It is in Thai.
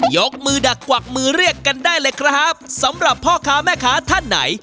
ยกมือดักกวักมือเรียกกันได้เลยครับสำหรับพ่อค้าแม่ค้าท่านไหน